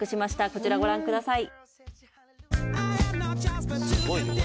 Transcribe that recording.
こちらご覧ください。